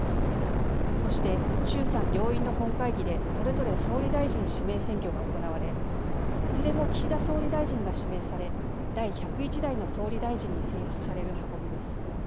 そして衆参両院の本会議でそれぞれ総理大臣指名選挙が行われいずれも岸田総理大臣が指名され第１０１代の総理大臣に選出される運びです。